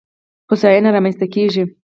هوساینه رامنځته کېږي.